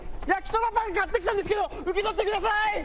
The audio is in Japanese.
焼きそばパン買って来たんですけど受け取ってください！